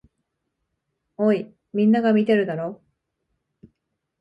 おい、みんなが見てるだろ。